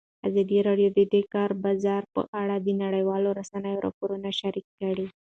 ازادي راډیو د د کار بازار په اړه د نړیوالو رسنیو راپورونه شریک کړي.